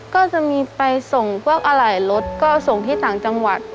ก็จะมีไปส่งพวกอะไหล่รถก็ส่งที่ต่างจังหวัด